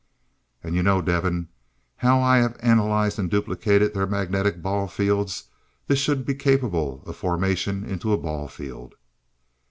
"And you know, Devin, how I have analyzed and duplicated their magnetic ball fields. This should be capable of formation into a ball field.